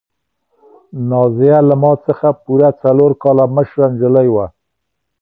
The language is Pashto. نازیه له ما څخه پوره څلور کاله مشره نجلۍ وه.